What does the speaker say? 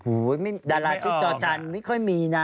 โอ้โหดาราชุดจอจันทร์ไม่ค่อยมีนะ